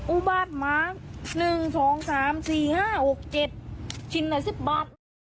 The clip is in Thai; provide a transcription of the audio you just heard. อุบาทหมาก๑๒๓๔๕๖๗ชิ้นละ๑๐บาท